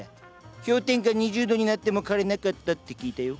氷点下２０度になっても枯れなかったって聞いたよ。